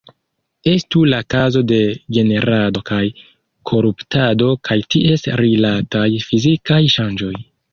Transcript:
Estu la kazo de generado kaj koruptado kaj ties rilataj fizikaj ŝanĝoj.